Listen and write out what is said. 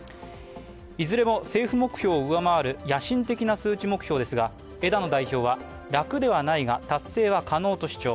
いずれも政府目標を上回る野心的な数値目標ですが、枝野代表は、楽ではないが達成は可能と主張。